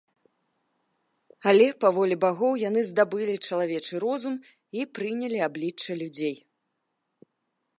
Але па волі багоў яны здабылі чалавечы розум і прынялі аблічча людзей.